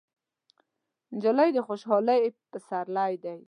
نجلۍ د خوشحالۍ پسرلی ده.